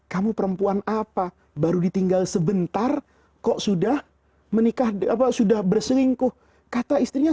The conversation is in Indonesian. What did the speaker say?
kamu perempuan apa baru ditinggal sebentar kok sudah menikah apa sudah berselingkuh kata istrinya